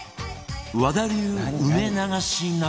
和田流梅流し鍋